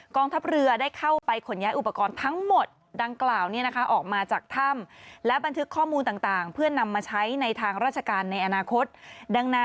กองทัพเรือได้เข้าไปขนย้ายอุปกรณ์ทั้งหมด